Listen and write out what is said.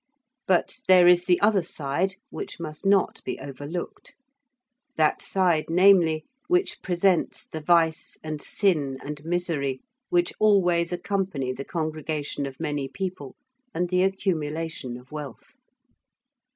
But there is the other side which must not be overlooked that side, namely, which presents the vice and sin and misery which always accompany the congregation of many people and the accumulation of wealth.